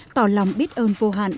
tỏ lòng biết ơn vô hạn